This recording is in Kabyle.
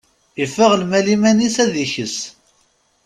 Iffeɣ lmal iman-is ad ikes.